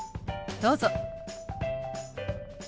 どうぞ。